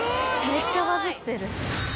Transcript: めっちゃバズってる。